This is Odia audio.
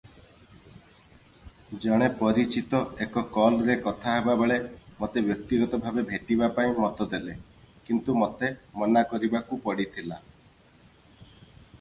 ଜଣେ ପରିଚିତ ଏକ କଲରେ କଥା ହେବା ବେଳେ ମୋତେ ବ୍ୟକ୍ତିଗତ ଭାବେ ଭେଟିବା ପାଇଁ ମତ ଦେଲେ କିନ୍ତୁ ମୋତେ ମନା କରିବାକୁ ପଡ଼ିଥିଲା ।